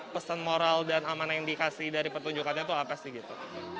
pesan moral dan amanah yang dikasih dari petunjukannya itu apa sih gitu